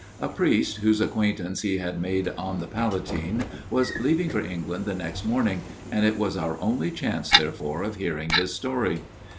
A priest, whose acquaintance he had made on the Palatine, was leaving for England the next morning ; and it was our only chance there fore of hearing his story.